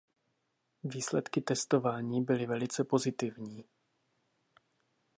Výsledky testování byly velice pozitivní.